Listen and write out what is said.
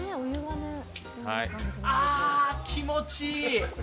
あ気持ちいい！